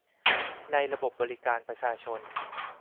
ในระบบบริการประชาชน